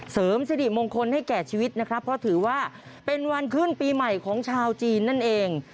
เสริมสิริมงคลให้แก่ชีวิตนะครับเพราะถือว่าเป็นวันขึ้นปีใหม่ของชาวจีนนั่นเอง